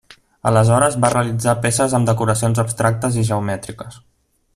Aleshores va realitzar peces amb decoracions abstractes i geomètriques.